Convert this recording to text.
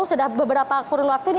sudah beberapa kurun waktu ini